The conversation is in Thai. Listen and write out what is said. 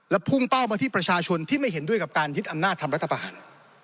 พุ่งเป้ามาที่ประชาชนที่ไม่เห็นด้วยกับการยึดอำนาจทำรัฐประหาร